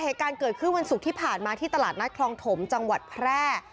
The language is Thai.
เหตุการณ์เกิดขึ้นวันศุกร์ที่ผ่านมาที่ตลาดนัดคลองถมจังหวัดแพร่